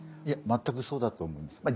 いや全くそうだと思います。